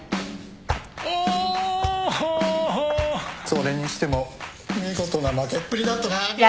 それにしても見事な負けっぷりだったな。